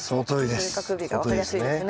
収穫日が分かりやすいですね。